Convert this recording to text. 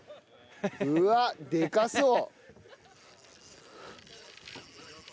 うわっでかそう！